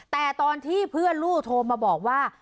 แต่ตอนที่เพื่อนลูกโทรมาบอกว่า